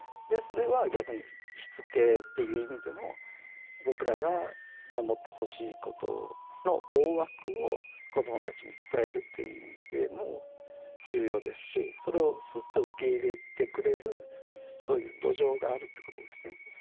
でそれは逆にしつけっていう意味でも僕らが守ってほしいことの大枠を子どもたちに伝えるという意味でも重要ですしそれをスッと受け入れてくれるそういう土壌があるってことですね。